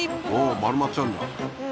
おお丸まっちゃうんだ。